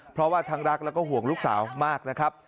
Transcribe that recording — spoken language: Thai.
เพราะว่าทั้งรักแล้วก็ห่วงลูกสาวมากนะครับ